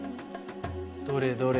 どれどれ。